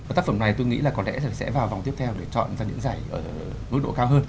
tác phẩm này tôi nghĩ là có lẽ là sẽ vào vòng tiếp theo để chọn ra những giải ở mức độ cao hơn